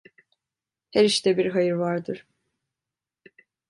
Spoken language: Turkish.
Her işte bir hayır vardır.